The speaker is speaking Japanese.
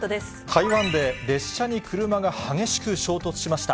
台湾で列車に車が激しく衝突しました。